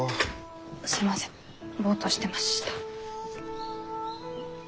すいませんボッとしてました。